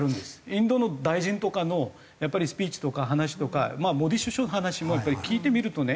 インドの大臣とかのスピーチとか話とかまあモディ首相の話も聞いてみるとね